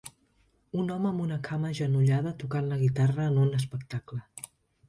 Un home amb una cama agenollada tocant la guitarra en un espectable.